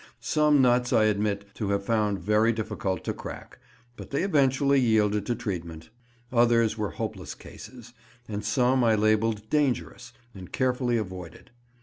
Some nuts I admit to have found very difficult to crack, but they eventually yielded to treatment; others were hopeless cases, and some I labelled "dangerous" and carefully avoided.